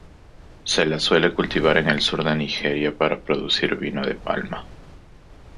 Se la suele cultivar en el sur de Nigeria para producir vino de palma.